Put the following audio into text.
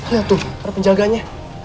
lihat tuh ada penjaganya